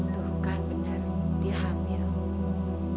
tuh kan benar dihamil